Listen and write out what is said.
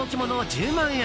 １０万円。